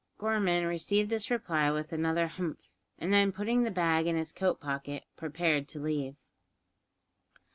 Gorman received this reply with another "Humph," and then, putting the bag in his coat pocket, prepared to leave.